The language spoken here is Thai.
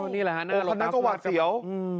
นี่แหละฮะนั่นคือโลตัสกระบังโอ้คันนั้นก็หวัดเสียว